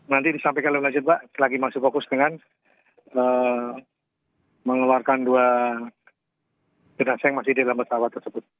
nanti disampaikan oleh najib lagi masih fokus dengan mengeluarkan dua jenazah yang masih di dalam pesawat tersebut